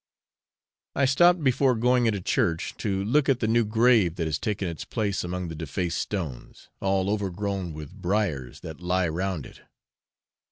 I stopped before going into church to look at the new grave that has taken its place among the defaced stones, all overgrown with briers, that lie round it.